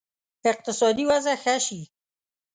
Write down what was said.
اقتصادي وضع ښه شي.